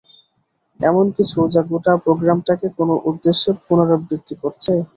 এমন কিছু যা গোটা প্রোগ্রামটাকে কোনো উদ্দেশ্যে পুনরাবৃত্তি করছে?